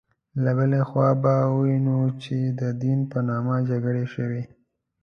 له بلې خوا به ووینو چې د دین په نامه جګړې شوې.